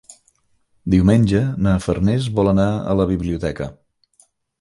Diumenge na Farners vol anar a la biblioteca.